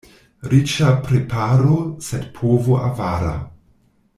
Riĉa preparo, sed povo avara.